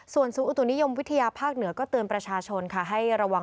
ส่วนศูนย์อุตุนิยมวิทยาภาคเหนือก็เตือนประชาชนค่ะให้ระวัง